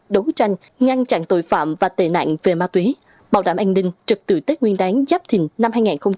đấu tranh ngăn chặn tội phạm và tệ nạn về ma túy bảo đảm an ninh trực tự tết nguyên đáng giáp thình năm hai nghìn hai mươi bốn